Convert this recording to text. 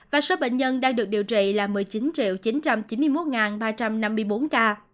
và số bệnh nhân đang được điều trị là một mươi chín chín trăm chín mươi một ba trăm năm mươi bốn ca